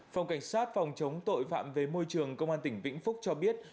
phòng cảnh sát phòng chống tội phạm về môi trường công an tỉnh vĩnh phúc cho biết